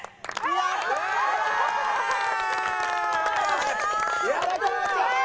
やったー！